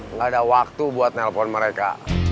nggak ada waktu buat nelpon mereka